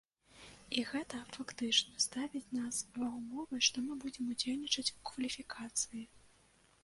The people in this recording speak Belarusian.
І гэта, фактычна, ставіць нас ва ўмовы, што мы будзем удзельнічаць у кваліфікацыі.